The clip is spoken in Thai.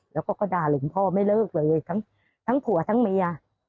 แล้วก็ด่าหลวงพ่อไม่เลิกเลยทั้งผัวทั้งเมีย